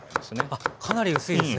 あっかなり薄いですね。